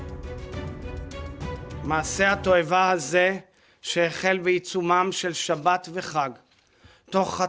kedahuan yang diperlukan bukan hanya oleh organisasi penyelamat penjahat